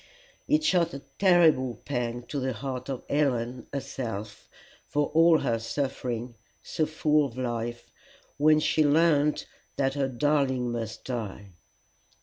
It shot a terrible pang to the heart of Helen, herself, for all her suffering, so full of life, when she learned that her darling must die.